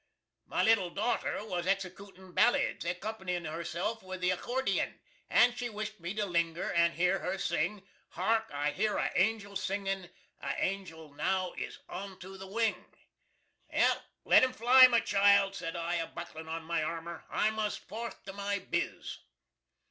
My little dawter was execootin ballids, accompanyin herself with the Akordeon, and she wisht me to linger and hear her sing: "Hark I hear a angel singin, a angel now is onto the wing." "Let him fly, my child!" sed I, a bucklin on my armer; "I must forth to my Biz."